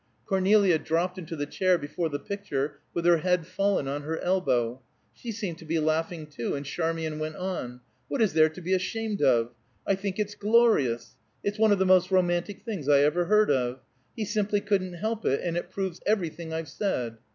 Cornelia dropped into the chair before the picture, with her head fallen on her elbow. She seemed to be laughing, too, and Charmian went on: "What is there to be ashamed of? I think it's glorious. It's one of the most romantic things I ever heard of. He simply couldn't help it, and it proves everything I've said.